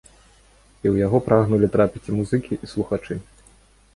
І ў яго прагнулі трапіць і музыкі, і слухачы.